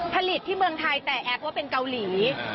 ผลิตที่เมืองไทยแต่แอกว่าเป็นเกาหลี